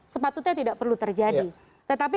sepatutnya tidak perlu terjadi tetapi